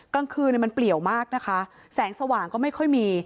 กลางคืนมันเปลี่ยวมากนะคะแสงสว่างก็ไม่ค่อยมี